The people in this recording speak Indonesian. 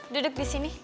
duduk di sini